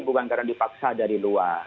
bukan karena dipaksa dari luar